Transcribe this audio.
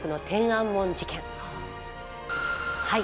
はい。